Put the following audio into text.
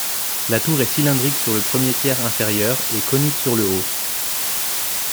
La tour est cylindrique sur le premier tiers inférieur et conique sur le haut.